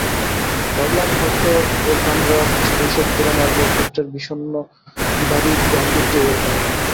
ভাবলাম, হয়তো এ কামরার এইসব পুরনো আসবাবপত্রের বিষন্ন ভারি গান্তীর্যই এর কারণ।